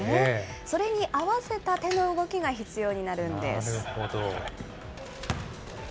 それに合わせた手の動きが必要になるほど。